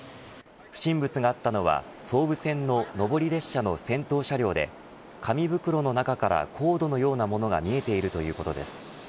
不審物があったのは総武線の上り列車の先頭車両で紙袋の中からコードのようなものが見えているということです。